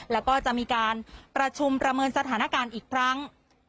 แล้วก็จะมีการประชุมประเมินสถานการณ์อีกครั้ง